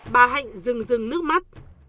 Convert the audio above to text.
bà hạnh rừng rừng nước mắt